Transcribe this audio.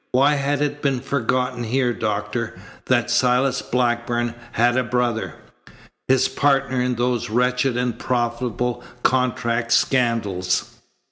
Why had it been forgotten here, Doctor, that Silas Blackburn had a brother his partner in those wretched and profitable contract scandals?"